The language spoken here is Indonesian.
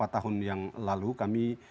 tahun yang lalu kami